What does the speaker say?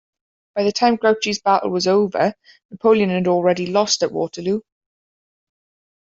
By the time Grouchy's battle was over, Napoleon had already lost at Waterloo.